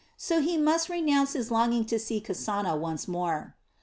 So he must renounce his longing to see Kasana once more.